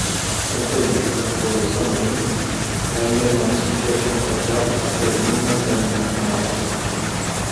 Nathalie propose à Sandrine, elle-même en situation précaire, de partager momentanément son appartement.